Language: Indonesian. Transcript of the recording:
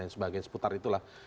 sebagian seputar itulah